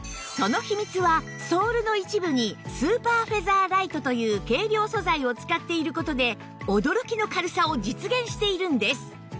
その秘密はソールの一部にスーパーフェザーライトという軽量素材を使っている事で驚きの軽さを実現しているんです